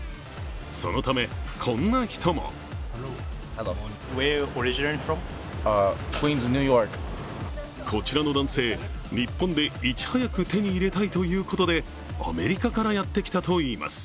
そのため、こんな人もこちらの男性、日本でいち早く手に入れたいということで、アメリカからやってきたといいます。